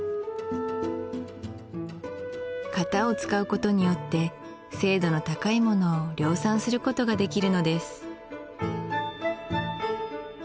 型を使うことによって精度の高いものを量産することができるのです